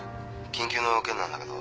緊急の用件なんだけど。